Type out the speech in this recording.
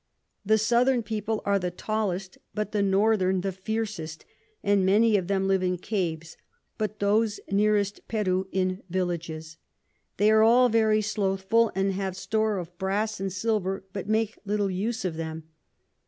The Southern People are the tallest, but the Northern the fiercest; and many of them live in Caves, but those nearest Peru in Villages. They are all very slothful, and have store of Brass and Silver, but make little use of them.